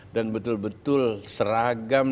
dan betul betul seragam